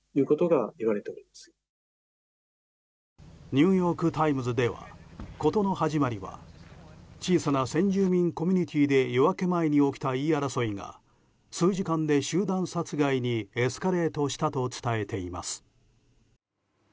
ニューヨーク・タイムズでは事の始まりは小さな先住民コミュニティーで夜明け前に起きた言い争いが数時間で集団殺害にエスカレートしたと伝えています。